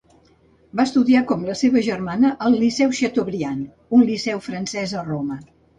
Va estudiar com la seva germana al Liceu Chateaubriand, un liceu francès a Roma.